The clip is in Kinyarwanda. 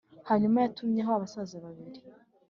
Hanyuma yatumyeho abasaza babiri